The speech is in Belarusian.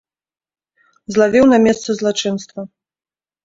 Злавіў на месцы злачынства.